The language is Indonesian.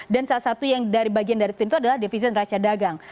dan salah satu yang bagian dari twin itu adalah defisit raca dagang